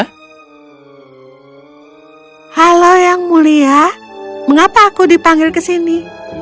halo yang mulia mengapa aku dipanggil ke sini